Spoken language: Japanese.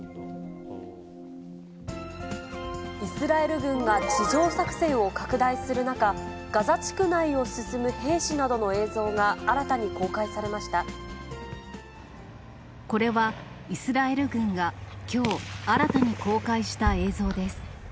イスラエル軍が地上作戦を拡大する中、ガザ地区内を進む兵士などの映像が、新たに公開されまこれはイスラエル軍がきょう、新たに公開した映像です。